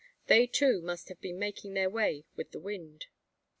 They too must have been making way with the wind.